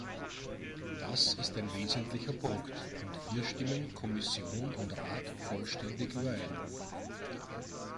Das ist ein wesentlicher Punkt, und hier stimmen Kommission und Rat vollständig überein.